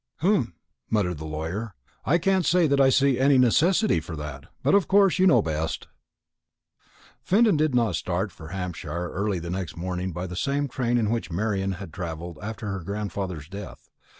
"Humph!" muttered the lawyer; "I can't say that I see any necessity for that. But of course you know best." Gilbert Fenton did start for Hampshire early the next morning by the same train in which Marian had travelled after her grandfather's death.